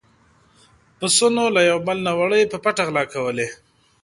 پسونو له يو بل نه وړۍ په پټه غلا کولې.